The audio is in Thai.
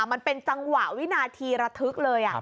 มันเป็นจังหวะวินาทีระทึกเลย